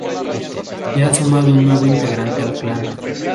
Y ha sumado un nuevo integrante al clan.